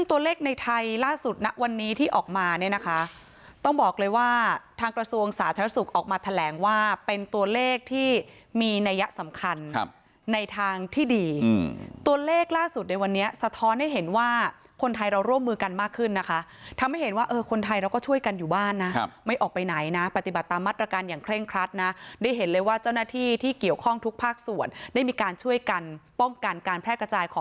ตัวเลขในไทยล่าสุดนะวันนี้ที่ออกมาเนี่ยนะคะต้องบอกเลยว่าทางกระทรวงสาธารณสุขออกมาแถลงว่าเป็นตัวเลขที่มีนัยสำคัญในทางที่ดีตัวเลขล่าสุดในวันนี้สะท้อนให้เห็นว่าคนไทยเราร่วมมือกันมากขึ้นนะคะทำให้เห็นว่าคนไทยเราก็ช่วยกันอยู่บ้านนะไม่ออกไปไหนนะปฏิบัติตามัดระกันอย่างเคร่งครัดนะได้เห็นเลยว่าเจ้